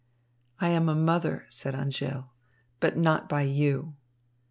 "I am a mother," said Angèle, "but not by you."